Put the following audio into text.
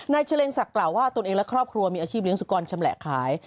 เฉลงศักดิ์กล่าวว่าตนเองและครอบครัวมีอาชีพเลี้ยสุกรชำแหละขาย